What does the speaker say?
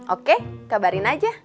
oke kabarin aja